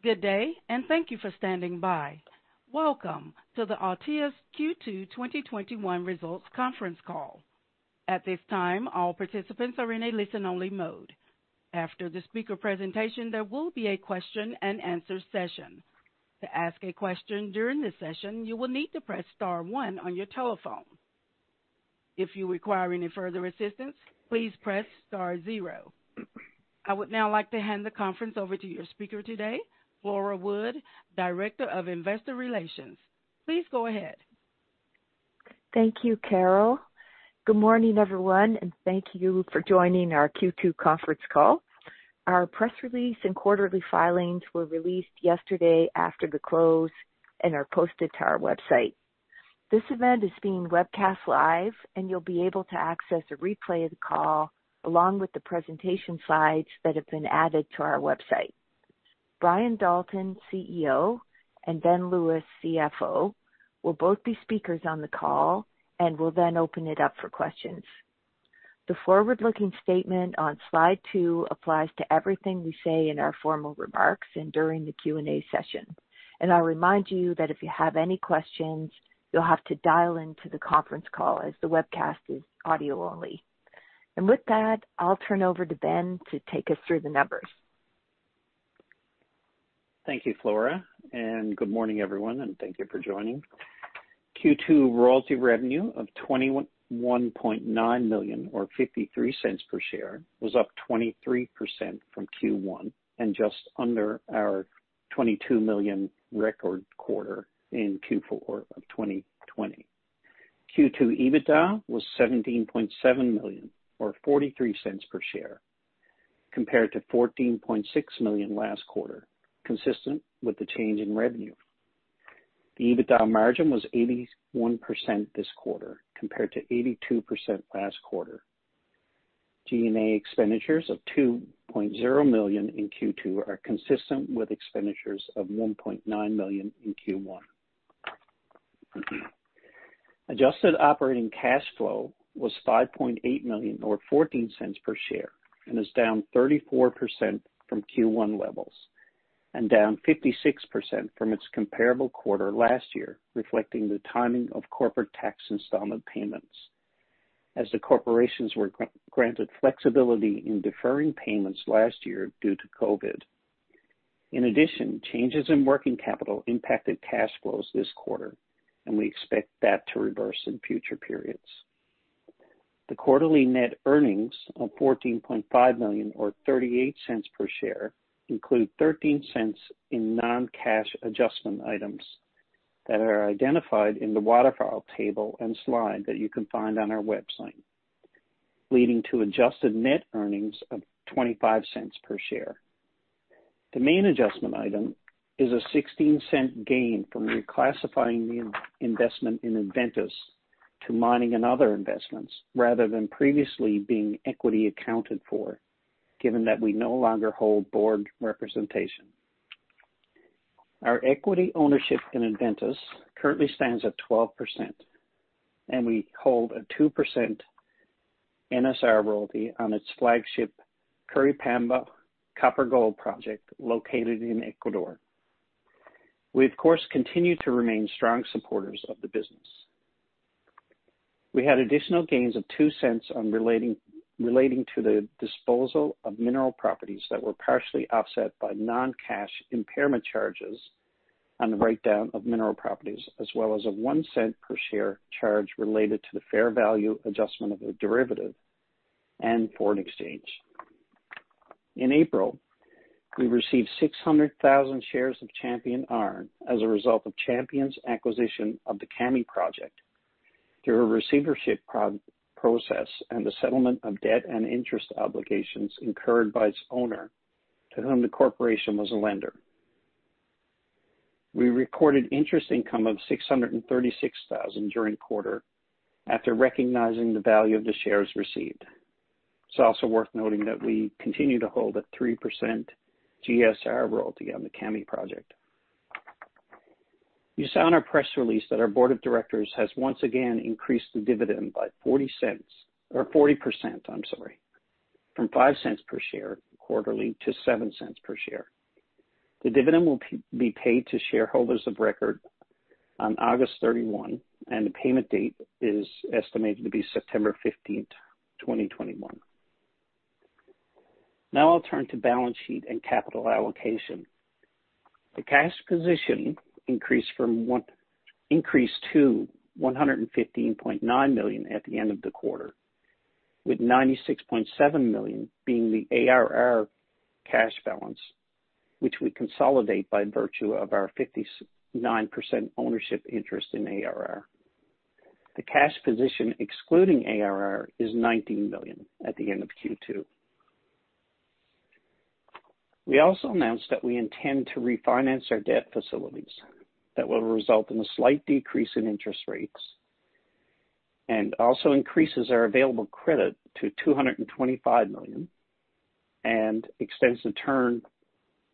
Good day, and thank you for standing by. Welcome to the Altius Q2 2021 Results Conference Call. At this time all participants are in "listen only" mode. I would now like to hand the conference over to your speaker today, Flora Wood, Director, Investor Relations. Please go ahead. Thank you, Carol. Good morning, everyone, and thank you for joining our Q2 conference call. Our press release and quarterly filings were released yesterday after the close and are posted to our website. This event is being webcast live, and you'll be able to access a replay of the call along with the presentation slides that have been added to our website. Brian Dalton, CEO, and Ben Lewis, CFO, will both be speakers on the call, and we'll then open it up for questions. The forward-looking statement on slide two applies to everything we say in our formal remarks and during the Q&A session. I'll remind you that if you have any questions, you'll have to dial into the conference call, as the webcast is audio only. With that, I'll turn over to Ben to take us through the numbers. Thank you, Flora Wood, and good morning, everyone, and thank you for joining. Q2 royalty revenue of 21.9 million or 0.53 per share was up 23% from Q1 and just under our 22 million record quarter in Q4 2020. Q2 EBITDA was 17.7 million or 0.43 per share compared to 14.6 million last quarter, consistent with the change in revenue. The EBITDA margin was 81% this quarter, compared to 82% last quarter. G&A expenditures of 2.0 million in Q2 are consistent with expenditures of 1.9 million in Q1. Adjusted operating cash flow was 5.8 million or 0.14 per share and is down 34% from Q1 levels and down 56% from its comparable quarter last year, reflecting the timing of corporate tax installment payments, as the corporations were granted flexibility in deferring payments last year due to COVID. In addition, changes in working capital impacted cash flows this quarter, and we expect that to reverse in future periods. The quarterly net earnings of 14.5 million or 0.38 per share include 0.13 in non-cash adjustment items that are identified in the waterfall table and slide that you can find on our website, leading to adjusted net earnings of 0.25 per share. The main adjustment item is a 0.16 gain from reclassifying the investment in Adventus to mining and other investments rather than previously being equity accounted for, given that we no longer hold board representation. Our equity ownership in Adventus currently stands at 12%, and we hold a 2% NSR royalty on its flagship Curipamba copper-gold project located in Ecuador. We, of course, continue to remain strong supporters of the business. We had additional gains of 0.02 relating to the disposal of mineral properties that were partially offset by non-cash impairment charges on the write-down of mineral properties, as well as a 0.01 per share charge related to the fair value adjustment of a derivative and foreign exchange. In April, we received 600,000 shares of Champion Iron as a result of Champion's acquisition of the Kami Project through a receivership process and the settlement of debt and interest obligations incurred by its owner, to whom the corporation was a lender. We recorded interest income of 636,000 during the quarter after recognizing the value of the shares received. It's also worth noting that we continue to hold a 3% GSR royalty on the Kami Project. You saw in our press release that our board of directors has once again increased the dividend by 0.40 or 40%, I'm sorry, from 0.05 per share quarterly to 0.07 per share. The dividend will be paid to shareholders of record on August 31, and the payment date is estimated to be September 15th, 2021. Now I'll turn to balance sheet and capital allocation. The cash position increased to 115.9 million at the end of the quarter, with 96.7 million being the ARR cash balance, which we consolidate by virtue of our 59% ownership interest in ARR. The cash position excluding ARR is 19 million at the end of Q2. We also announced that we intend to refinance our debt facilities that will result in a slight decrease in interest rates and also increases our available credit to 225 million and extends the term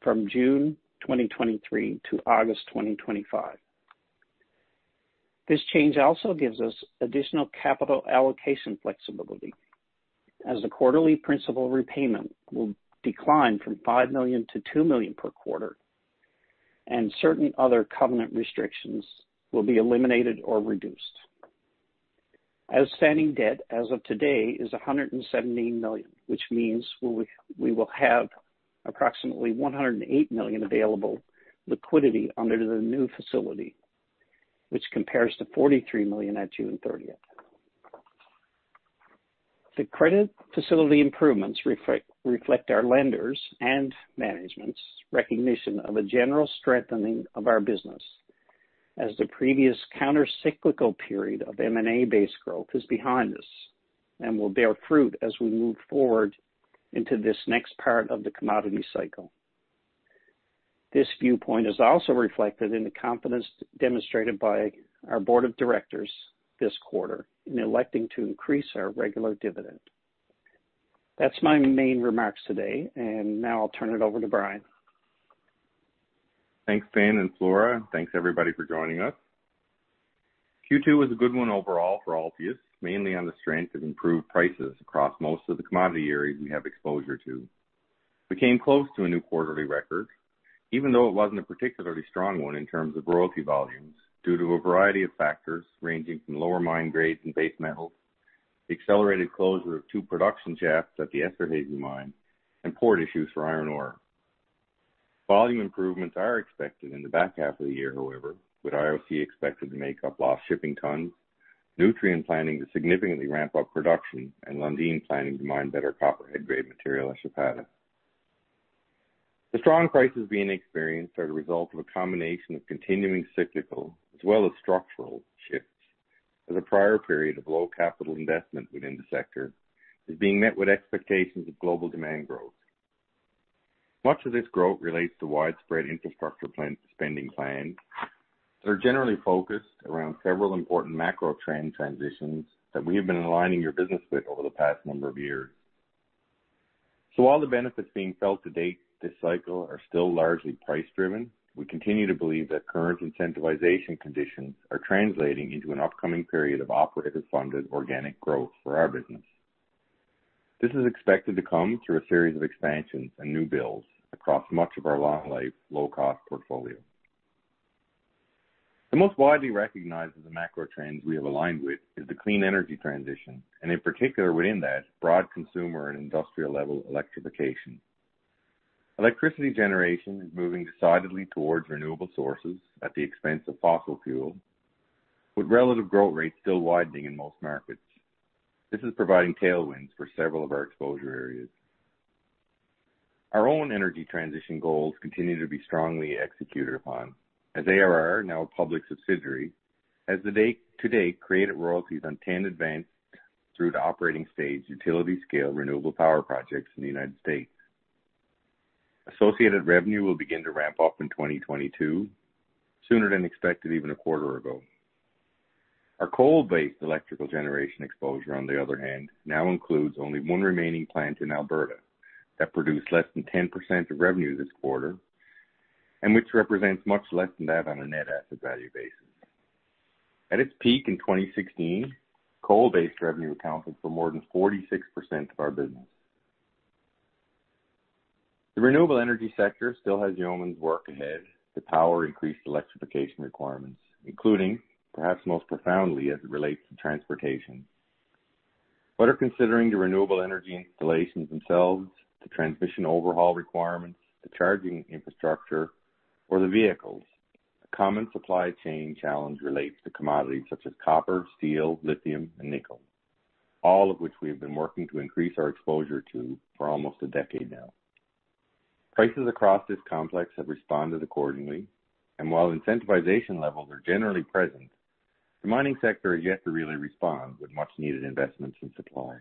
from June 2023 to August 2025. This change also gives us additional capital allocation flexibility as the quarterly principal repayment will decline from 5 millio to 2 million per quarter, and certain other covenant restrictions will be eliminated or reduced. Outstanding debt as of today is 117 million, which means we will have approximately 108 million available liquidity under the new facility, which compares to 43 million at June 30. The credit facility improvements reflect our lenders and management's recognition of a general strengthening of our business as the previous counter-cyclical period of M&A-based growth is behind us and will bear fruit as we move forward into this next part of the commodity cycle. This viewpoint is also reflected in the confidence demonstrated by our board of directors this quarter in electing to increase our regular dividend. That's my main remarks today, and now I'll turn it over to Brian. Thanks, Ben and Flora, and thanks, everybody, for joining us. Q2 was a good one overall for Altius, mainly on the strength of improved prices across most of the commodity areas we have exposure to. We came close to a new quarterly record, even though it wasn't a particularly strong one in terms of royalty volumes due to a variety of factors ranging from lower mine grades in base metals, the accelerated closure of two production shafts at the Esterhazy mine, and port issues for iron ore. Volume improvements are expected in the back half of the year, however, with IOC expected to make up lost shipping tons, Nutrien planning to significantly ramp up production, and Lundin planning to mine better copper head grade material at Chapada. The strong prices being experienced are the result of a combination of continuing cyclical as well as structural shifts, as a prior period of low capital investment within the sector is being met with expectations of global demand growth. Much of this growth relates to widespread infrastructure spending plans that are generally focused around several important macro trend transitions that we have been aligning your business with over the past number of years. While the benefits being felt to date this cycle are still largely price driven, we continue to believe that current incentivization conditions are translating into an upcoming period of operative funded organic growth for our business. This is expected to come through a series of expansions and new builds across much of our long life, low cost portfolio. The most widely recognized of the macro trends we have aligned with is the clean energy transition, and in particular within that, broad consumer and industrial level electrification. Electricity generation is moving decidedly towards renewable sources at the expense of fossil fuel, with relative growth rates still widening in most markets. This is providing tailwinds for several of our exposure areas. Our own energy transition goals continue to be strongly executed upon as ARR, now a public subsidiary, has to date created royalties on 10 advanced through to operating stage utility scale renewable power projects in the U.S. Associated revenue will begin to ramp up in 2022, sooner than expected even a quarter ago. Our coal-based electrical generation exposure, on the other hand, now includes only one remaining plant in Alberta that produced less than 10% of revenue this quarter, and which represents much less than that on a net asset value basis. At its peak in 2016, coal-based revenue accounted for more than 46% of our business. The renewable energy sector still has yeoman's work ahead to power increased electrification requirements, including, perhaps most profoundly as it relates to transportation. Whether considering the renewable energy installations themselves, the transmission overhaul requirements, the charging infrastructure, or the vehicles, a common supply chain challenge relates to commodities such as copper, steel, lithium, and nickel, all of which we have been working to increase our exposure to for almost a decade now. Prices across this complex have responded accordingly. While incentivization levels are generally present, the mining sector is yet to really respond with much needed investments in supply.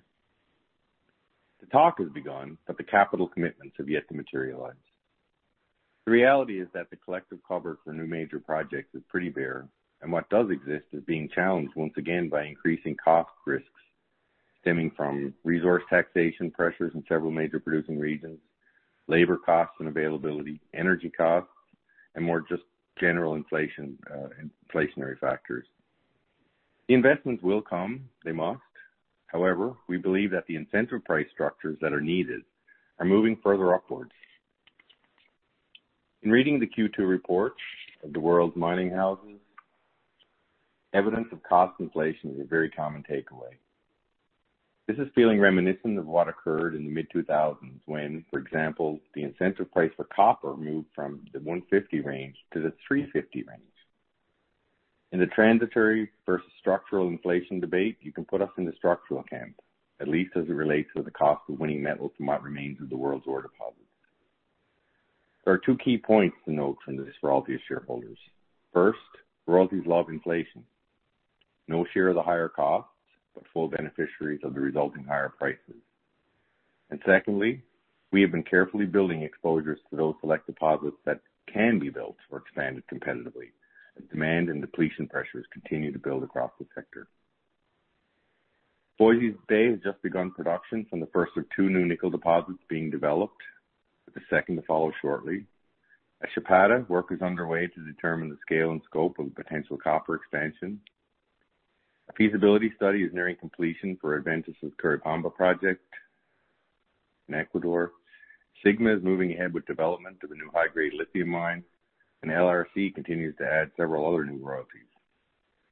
The talk has begun. The capital commitments have yet to materialize. The reality is that the collective cover for new major projects is pretty bare. What does exist is being challenged once again by increasing cost risks stemming from resource taxation pressures in several major producing regions, labor costs and availability, energy costs, and more just general inflationary factors. The investments will come, they must. However, we believe that the incentive price structures that are needed are moving further upwards. In reading the Q2 reports of the world's mining houses, evidence of cost inflation is a very common takeaway. This is feeling reminiscent of what occurred in the mid-2000s when, for example, the incentive price for copper moved from the $1.50 range to the $3.50 range. In the transitory versus structural inflation debate, you can put us in the structural camp, at least as it relates to the cost of winning metals from what remains of the world's ore deposits. There are two key points to note from this for Altius shareholders. First, royalties love inflation. No share of the higher costs, but full beneficiaries of the resulting higher prices. Secondly, we have been carefully building exposures to those select deposits that can be built or expanded competitively as demand and depletion pressures continue to build across the sector. Voisey's Bay has just begun production from the first of two new nickel deposits being developed, with the second to follow shortly. At Chapada, work is underway to determine the scale and scope of a potential copper expansion. A feasibility study is nearing completion for Adventus' Curipamba project in Ecuador. Sigma is moving ahead with development of a new high-grade lithium mine, and LRC continues to add several other new royalties.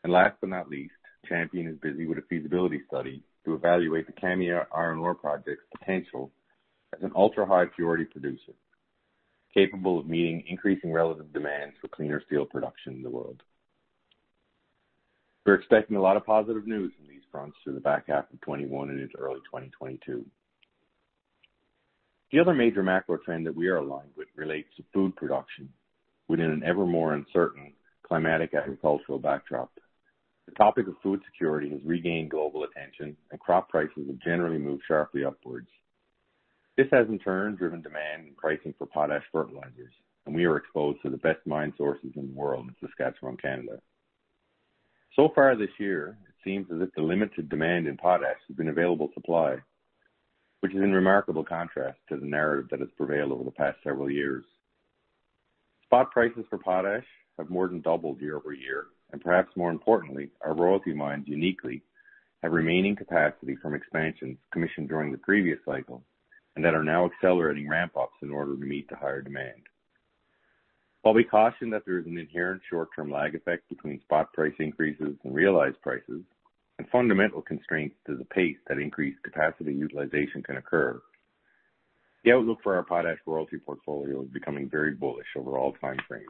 Last but not least, Champion is busy with a feasibility study to evaluate the Kami iron ore project's potential as an ultra-high purity producer, capable of meeting increasing relative demands for cleaner steel production in the world. We're expecting a lot of positive news on these fronts through the back half of 2021 and into early 2022. The other major macro trend that we are aligned with relates to food production within an ever more uncertain climatic agricultural backdrop. The topic of food security has regained global attention, and crop prices have generally moved sharply upwards. This has, in turn, driven demand and pricing for potash fertilizers, and we are exposed to the best mine sources in the world in Saskatchewan, Canada. Far this year, it seems as if the limited demand in potash has been available supply, which is in remarkable contrast to the narrative that has prevailed over the past several years. Spot prices for potash have more than doubled year-over-year, and perhaps more importantly, our royalty mines uniquely have remaining capacity from expansions commissioned during the previous cycle, and that are now accelerating ramp-ups in order to meet the higher demand. While we caution that there is an inherent short-term lag effect between spot price increases and realized prices, and fundamental constraints to the pace that increased capacity utilization can occur, the outlook for our potash royalty portfolio is becoming very bullish over all time frames.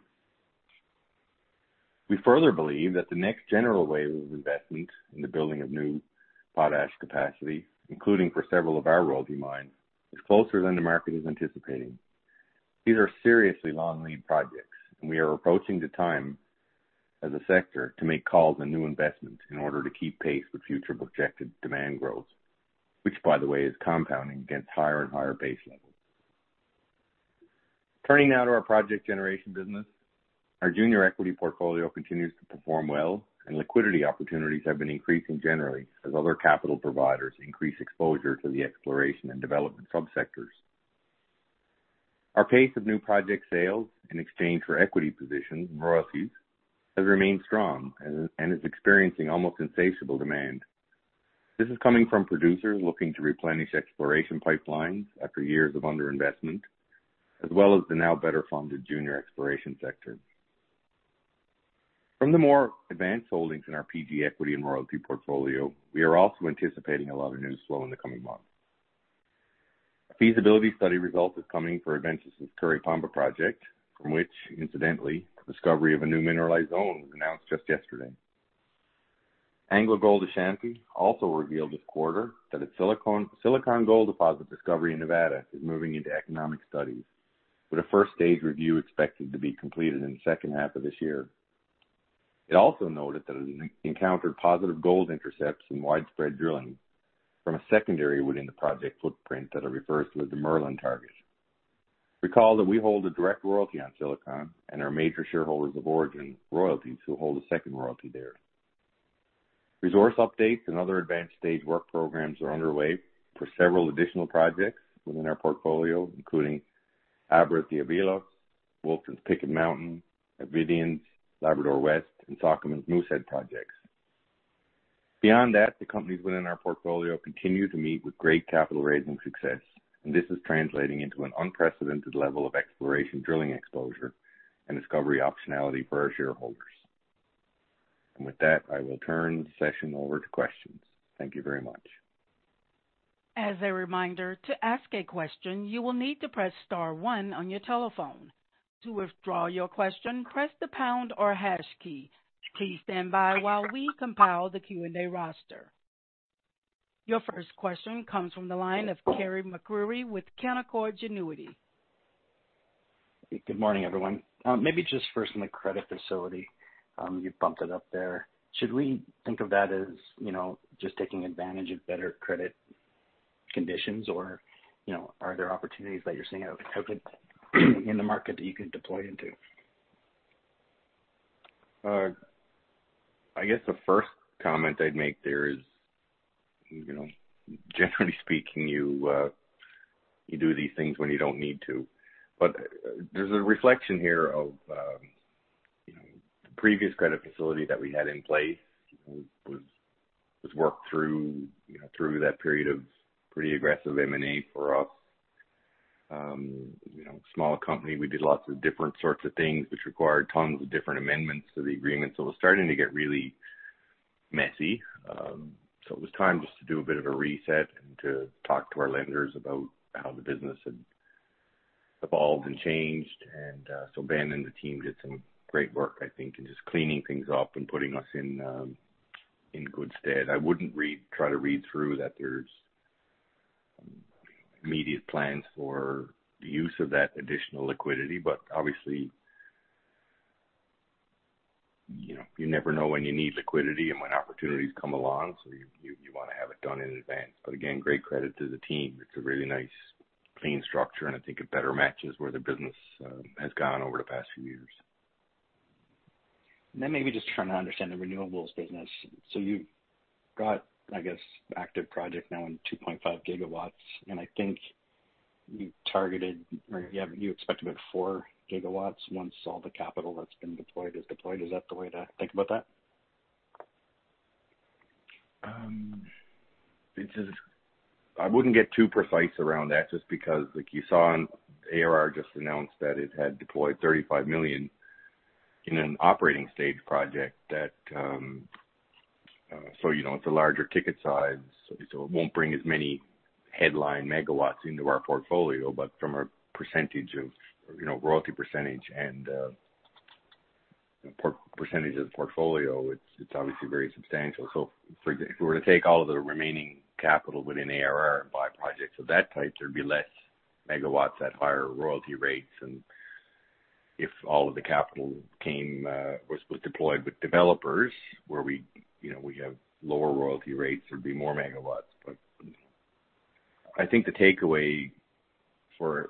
We further believe that the next general wave of investment in the building of new potash capacity, including for several of our royalty mines, is closer than the market is anticipating. These are seriously long-lead projects, and we are approaching the time, as a sector, to make calls on new investments in order to keep pace with future projected demand growth, which, by the way, is compounding against higher and higher base levels. Turning now to our project generation business. Our junior equity portfolio continues to perform well, and liquidity opportunities have been increasing generally as other capital providers increase exposure to the exploration and development subsectors. Our pace of new project sales in exchange for equity positions and royalties has remained strong and is experiencing almost insatiable demand. This is coming from producers looking to replenish exploration pipelines after years of underinvestment, as well as the now better-funded junior exploration sector. From the more advanced holdings in our PG equity and royalty portfolio, we are also anticipating a lot of news flow in the coming months. A feasibility study result is coming for Adventus' Curipamba project, from which, incidentally, the discovery of a new mineralized zone was announced just yesterday. AngloGold Ashanti also revealed this quarter that its Silicon gold deposit discovery in Nevada is moving into economic studies, with a first-stage review expected to be completed in the second half of this year. It also noted that it encountered positive gold intercepts in widespread drilling from a secondary within the project footprint that it refers to as the Merlin target. Recall that we hold a direct royalty on Silicon and are major shareholders of Orogen Royalties, who hold a second royalty there. Resource updates and other advanced stage work programs are underway for several additional projects within our portfolio, including Avrupa's Diavelos, Wolfden's Pickett Mountain, Avidian's Labrador West, and Sokoman's Moosehead projects. Beyond that, the companies within our portfolio continue to meet with great capital raising success, and this is translating into an unprecedented level of exploration drilling exposure and discovery optionality for our shareholders. With that, I will turn the session over to questions. Thank you very much. Your first question comes from the line of Carey MacRury with Canaccord Genuity. Good morning, everyone. Maybe just first on the credit facility. You bumped it up there. Should we think of that as just taking advantage of better credit conditions or are there opportunities that you're seeing out in the market that you can deploy into? I guess the first comment I'd make there is, generally speaking, you do these things when you don't need to. There's a reflection here of the previous credit facility that we had in place, was worked through that period of pretty aggressive M&A for us. As a small company, we did lots of different sorts of things, which required tons of different amendments to the agreement, so it was starting to get really messy. It was time just to do a bit of a reset and to talk to our lenders about how the business had evolved and changed. Ben and the team did some great work, I think, in just cleaning things up and putting us in good stead. I wouldn't try to read through that there's immediate plans for the use of that additional liquidity. Obviously, you never know when you need liquidity and when opportunities come along, so you want to have it done in advance. Again, great credit to the team. It is a really nice, clean structure, and I think it better matches where the business has gone over the past few years. Maybe just trying to understand the renewables business. You've got, I guess, active project now in 2.5 GW, and I think you targeted or you expect about 4 GW once all the capital that's been deployed is deployed. Is that the way to think about that? I wouldn't get too precise around that just because, like you saw in ARR just announced that it had deployed 35 million in an operating stage project. It's a larger ticket size, it won't bring as many headline megawatts into our portfolio. From a royalty percentage and percentage of the portfolio, it's obviously very substantial. If we were to take all of the remaining capital within ARR and buy projects of that type, there'd be less megawatts at higher royalty rates. If all of the capital was deployed with developers where we have lower royalty rates, there'd be more megawatts. I think the takeaway for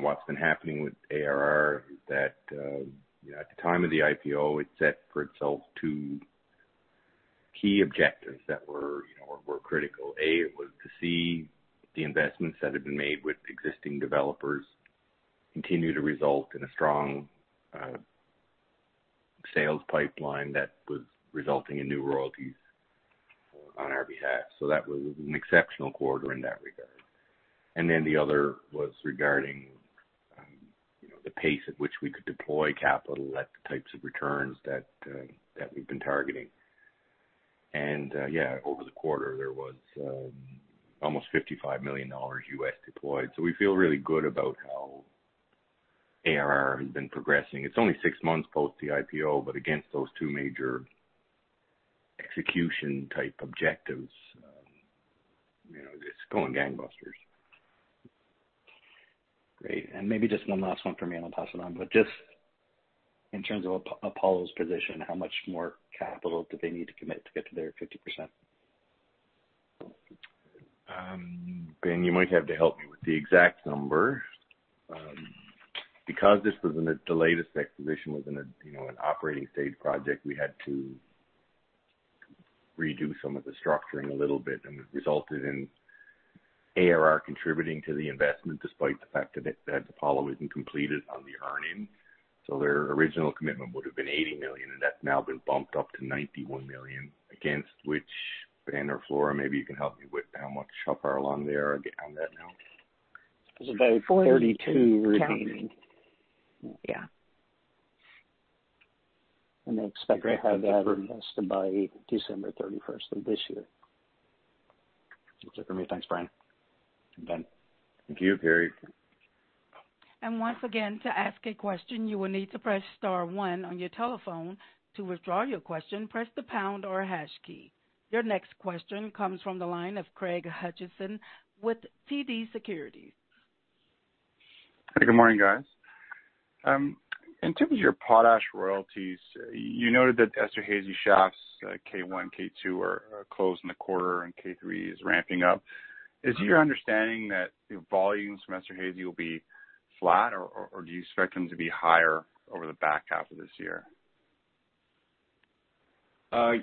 what's been happening with ARR is that, at the time of the IPO, it set for itself two key objectives that were critical. It was to see the investments that had been made with existing developers continue to result in a strong sales pipeline that was resulting in new royalties on our behalf. That was an exceptional quarter in that regard. The other was regarding the pace at which we could deploy capital at the types of returns that we've been targeting. Yeah, over the quarter, there was almost $55 million deployed. We feel really good about how ARR has been progressing. It's only six months post the IPO, but against those two major execution type objectives, it's going gangbusters. Great. Maybe just one last one from me, and I'll pass it on. Just in terms of Apollo's position, how much more capital do they need to commit to get to their 50%? Ben, you might have to help me with the exact number. Because this was in the latest acquisition, was in an operating stage project, we had to redo some of the structuring a little bit, and it resulted in ARR contributing to the investment despite the fact that Apollo isn't completed on the earn-in. Their original commitment would have been 80 million, and that's now been bumped up to 91 million, against which, Ben or Flora, maybe you can help me with how much, how far along they are on that now. It's about 32 remaining. 42 counting. Yeah They expect to have that invested by December 31st of this year. That's it for me. Thanks, Brian, and Ben Thank you, Carey MacRury. Once again, to ask a question, you will need to press star one on your telephone. To withdraw your question, press the pound or hash key. Your next question comes from the line of Craig Hutchison with TD Securities. Good morning, guys. In terms of your potash royalties, you noted that Esterhazy shafts K1, K2 are closed in the quarter, and K3 is ramping up. Is it your understanding that volumes from Esterhazy will be flat, or do you expect them to be higher over the back half of this year?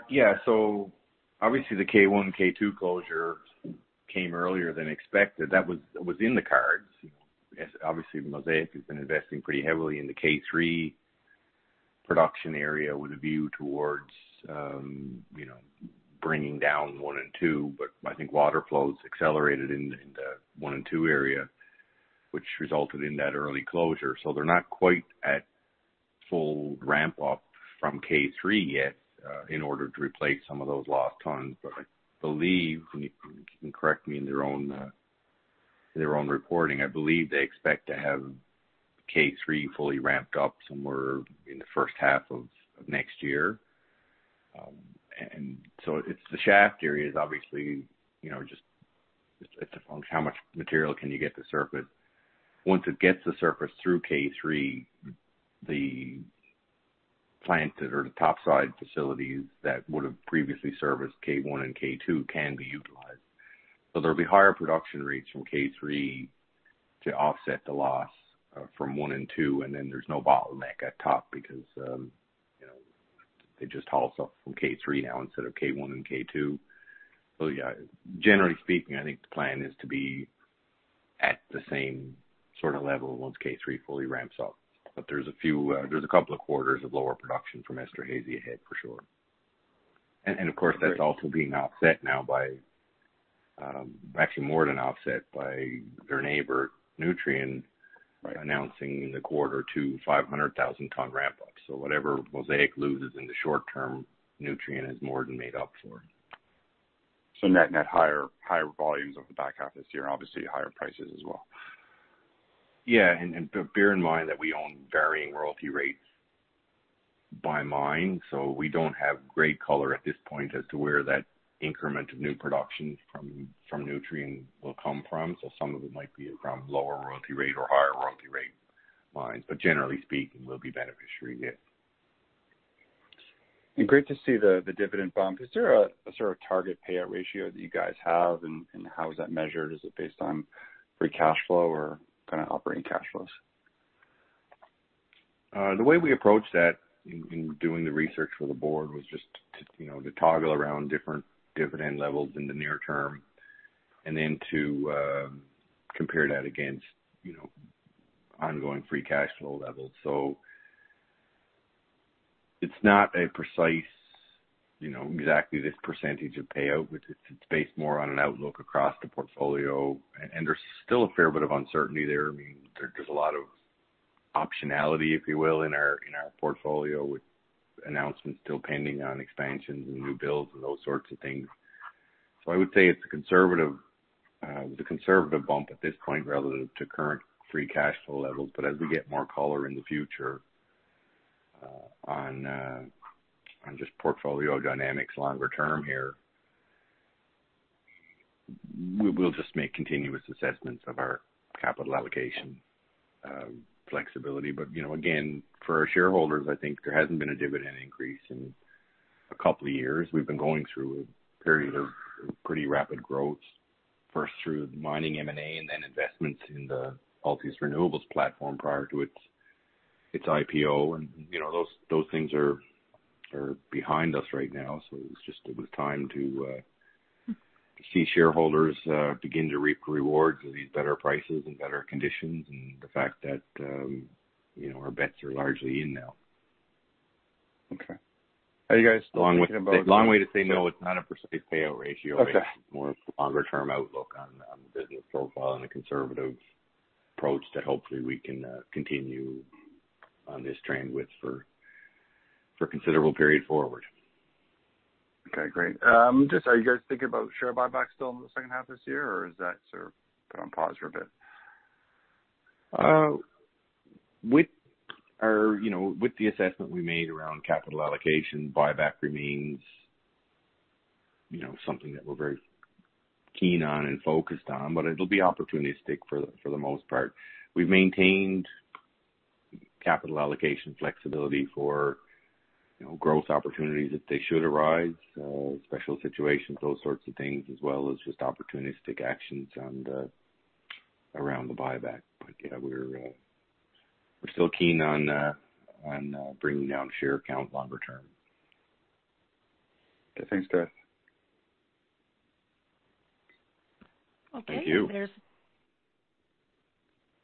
Yeah. Obviously, the K1, K2 closure came earlier than expected. That was in the cards. Obviously, Mosaic has been investing pretty heavily in the K3 production area with a view towards bringing down 1 and 2, but I think water flows accelerated in the 1 and 2 area, which resulted in that early closure. They're not quite at full ramp up from K3 yet, in order to replace some of those lost tons. I believe, and you can correct me in their own reporting, I believe they expect to have K3 fully ramped up somewhere in the first half of next year. It's the shaft areas, obviously, just it's a function of how much material can you get to surface. Once it gets to surface through K3, the plant or the topside facilities that would have previously serviced K1 and K2 can be utilized. There'll be higher production rates from K3 to offset the loss from 1 and 2, and then there's no bottleneck at top because they just haul stuff from K3 now instead of K1 and K2. Yeah, generally speaking, I think the plan is to be at the same sort of level once K3 fully ramps up. There's a few, there's a couple of quarters of lower production from Esterhazy ahead for sure. Of course, that's also being offset now by, actually more than offset, by their neighbor, Nutrien. Right announcing the Q2 500,000 ton ramp up. Whatever Mosaic loses in the short term, Nutrien has more than made up for. Net higher volumes over the back half of this year and obviously higher prices as well. Yeah. Bear in mind that we own varying royalty rates by mine, so we don't have great color at this point as to where that increment of new production from Nutrien will come from. Some of it might be from lower royalty rate or higher royalty rate mines. Generally speaking, we'll be beneficiary, yeah. Great to see the dividend bump. Is there a sort of target payout ratio that you guys have, and how is that measured? Is it based on free cash flow or kind of operating cash flows? The way we approach that in doing the research for the board was just to toggle around different dividend levels in the near term and then to compare that against ongoing free cash flow levels. It's not a precise, exactly this percentage of payout. It's based more on an outlook across the portfolio, and there's still a fair bit of uncertainty there. There's a lot of optionality, if you will, in our portfolio, with announcements still pending on expansions and new builds and those sorts of things. I would say it's a conservative bump at this point relative to current free cash flow levels. As we get more color in the future on just portfolio dynamics longer term here, we'll just make continuous assessments of our capital allocation flexibility. Again, for our shareholders, I think there hasn't been a dividend increase in a couple of years. We've been going through a period of pretty rapid growth, first through mining M&A and then investments in the Altius Renewables platform prior to its IPO, and those things are behind us right now. It was just time to see shareholders begin to reap the rewards of these better prices and better conditions, and the fact that our bets are largely in now. Okay. Are you guys thinking about? Long way to say no, it is not a precise payout ratio. Okay. More of a longer-term outlook on the business profile and a conservative approach that hopefully we can continue on this trend with for a considerable period forward. Okay, great. Just are you guys thinking about share buybacks still in the second half this year, or is that sort of put on pause for a bit? With the assessment we made around capital allocation, buyback remains something that we're very keen on and focused on, but it'll be opportunistic for the most part. We've maintained capital allocation flexibility for growth opportunities if they should arise, special situations, those sorts of things, as well as just opportunistic actions around the buyback. Yeah, we're still keen on bringing down share count longer term. Okay. Thanks, Dalton. Okay. Thank you.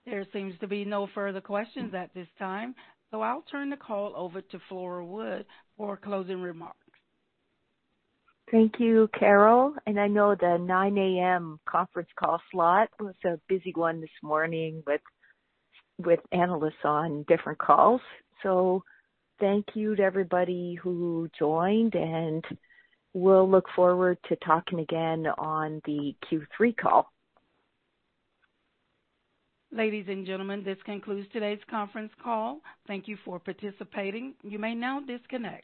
There seems to be no further questions at this time. I'll turn the call over to Flora Wood for closing remarks. Thank you, Carol. I know the 9:00 A.M. conference call slot was a busy one this morning with analysts on different calls. Thank you to everybody who joined, and we'll look forward to talking again on the Q3 call. Ladies and gentlemen, this concludes today's conference call. Thank you for participating. You may now disconnect.